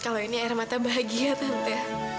kalau ini air mata bahagia tante